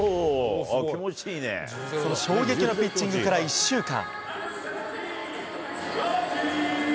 その衝撃のピッチングから１週間。